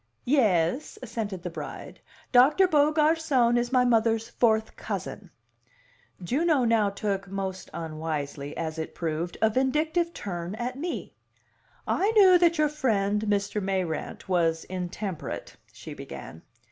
"Yais," assented the bride. "Doctor Beaugarcon is my mother's fourth cousin." Juno now took most unwisely, as it proved a vindictive turn at me. "I knew that your friend, Mr. Mayrant, was intemperate," she began.